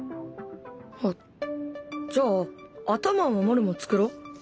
あっじゃあ頭を守るものを作ろう。